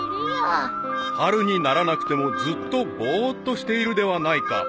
［春にならなくてもずっとぼーっとしているではないか］